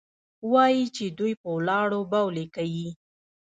وايي چې دوى په ولاړو بولې کيې.